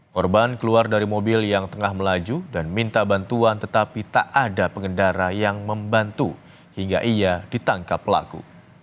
korban keluar dari mobil yang tengah melaju dan minta bantuan tetapi tak ada pengendara yang membantu hingga ia ditangkap pelaku